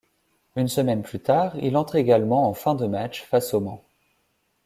Une semaine plus tard, il entre également en fin de match face au Mans.